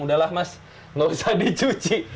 udah lah mas gak usah dicuci